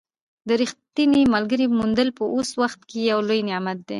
د ریښتیني ملګري موندل په اوس وخت کې یو لوی نعمت دی.